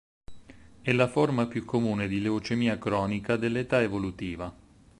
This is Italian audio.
È la forma più comune di leucemia cronica dell'età evolutiva.